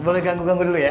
boleh ganggu ganggu dulu ya